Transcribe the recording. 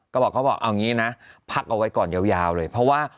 ก็บอกเขาบอกเอางี้นะพักเอาไว้ก่อนยาวเลยเพราะว่า